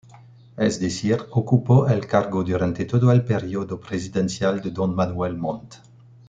Es decir, ocupó el cargo durante todo el período presidencial de don Manuel Montt.